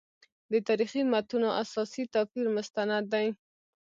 د تاریخي متونو اساسي توپیر مستند دی.